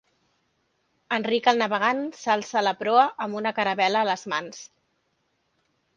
Enric el Navegant s'alça a la proa, amb una caravel·la a les mans.